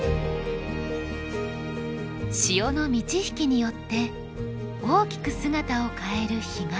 潮の満ち引きによって大きく姿を変える干潟。